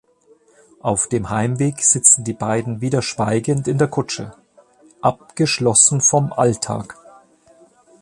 Auf dem Heimweg sitzen die beiden wieder schweigend in der Kutsche, „abgeschlossen vom Alltag“.